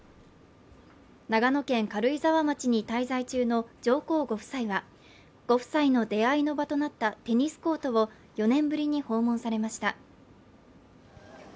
長野県軽井沢町に滞在中の上皇ご夫妻はご夫妻の出会いの場となったテニスコートを４年ぶりに訪問されました